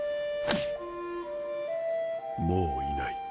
もういない。